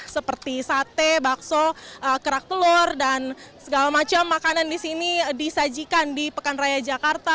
seperti sate bakso kerak telur dan segala macam makanan di sini disajikan di pekan raya jakarta